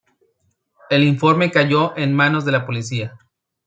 El informe cayó en manos de la policía.